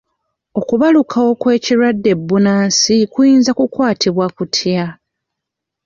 Okubalukawo kw'ekirwadde bbunansi kuyinza kukwatibwa kutya?